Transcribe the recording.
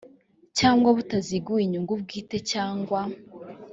cyangwa butaziguye inyungu bwite cyangwa